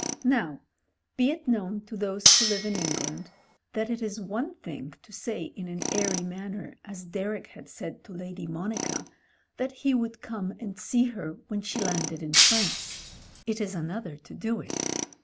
Now, be it known to those who live in England that it is one thing to say in an airy manner, as Derek had said to Lady Monica, that he would come and see her when she landed in France ; it is another to do it.